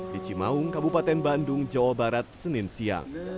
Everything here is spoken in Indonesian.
di cimaung kabupaten bandung jawa barat senin siang